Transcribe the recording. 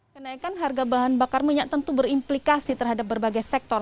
kenaikan harga bahan bakar minyak tentu berimplikasi terhadap berbagai sektor